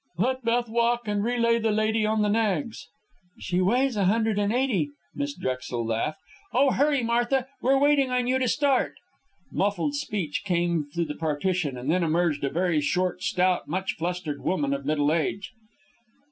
"Let Beth walk, and relay the lady on the nags." "She weighs a hundred and eighty," Miss Drexel laughed. "Oh, hurry, Martha! We're waiting on you to start!" Muffled speech came through the partition, and then emerged a very short, stout, much flustered woman of middle age.